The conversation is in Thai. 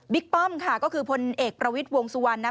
ป้อมค่ะก็คือพลเอกประวิทย์วงสุวรรณนะ